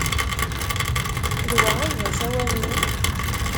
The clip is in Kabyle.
D wa ay d asawal-nnem?